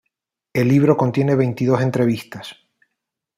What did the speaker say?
El libro contiene veintidós entrevistas.